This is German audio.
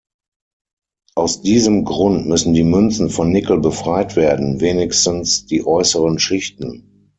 Aus diesem Grund müssen die Münzen von Nickel befreit werden, wenigstens die äußeren Schichten.